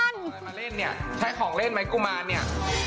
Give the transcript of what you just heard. เอาอะไรมาเล่นนี่ใช้ของเล่นไหมกุมานนี่